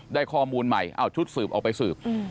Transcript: ได้ข้อมูลใหม่เอาชุดสืบออกไปสืบ